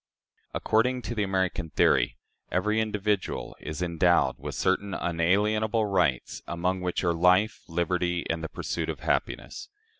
According to the American theory, every individual is endowed with certain unalienable rights, among which are "life, liberty, and the pursuit of happiness."